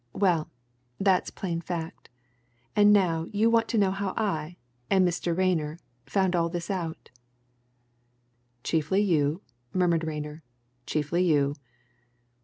Well, that's plain fact; and now you want to know how I and Mr. Rayner found all this out." "Chiefly you," murmured Rayner, "chiefly you!"